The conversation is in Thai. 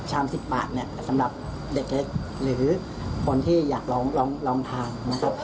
ชาม๑๐บาทเนี่ยสำหรับเด็กเล็กหรือคนที่อยากลองทานนะครับ